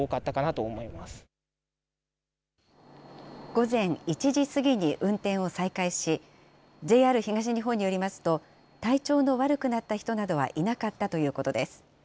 午前１時過ぎに運転を再開し、ＪＲ東日本によりますと、体調の悪くなった人などはいなかったということです。